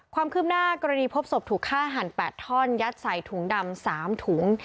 ความคืบหน้ากรณีพบศพถูกฆ่าหัน๘ท่อนยัดใส่ถุงดำ๓ถุง